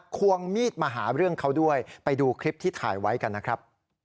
ควงมีดมาหาเรื่องเขาด้วยไปดูคลิปที่ถ่ายไว้กันนะครับ